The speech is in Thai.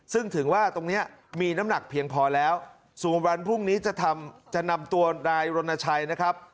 ซึ่งถือว่าตรงนี้มีน้ำหนักเพียงพอแล้วส่วนวันพรุ่งนี้จะทำจะนำตัวนายรณชัยนะครับ